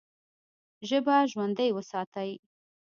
ژبه ژوندۍ وساتئ!